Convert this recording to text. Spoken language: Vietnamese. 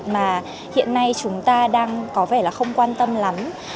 mà hiện nay chúng ta có vẻ không quan tâm lắm